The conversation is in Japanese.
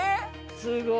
すごーい！